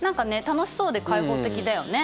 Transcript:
楽しそうで開放的だよね。